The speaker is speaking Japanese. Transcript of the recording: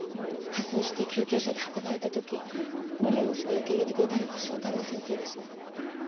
破水して救急車で運ばれたとき無理をして受け入れてくれたのが正太郎先生でした。